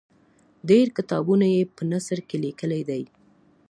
ډېر کتابونه یې په نثر کې لیکلي دي.